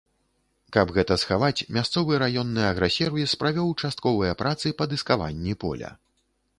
Каб гэта схаваць, мясцовы раённы аграсервіс правёў частковыя працы па дыскаванні поля.